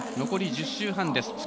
残り１０周半です。